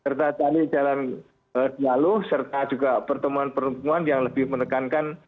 serta tali jalan dialog serta juga pertemuan pertemuan yang lebih menekankan